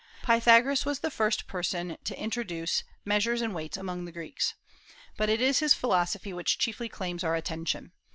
Pythagoras was the first person who introduced measures and weights among the Greeks. But it is his philosophy which chiefly claims our attention.